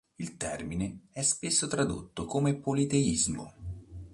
Il termine è spesso tradotto come "politeismo".